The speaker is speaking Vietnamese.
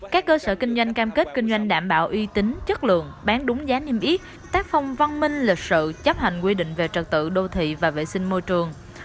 các cơ sở kinh doanh cam kết kinh doanh đảm bảo uy tín chất lượng bán đúng giá niêm yết tác phong văn minh lịch sự chấp hành quy định về trật tự đô thị và vệ sinh môi trường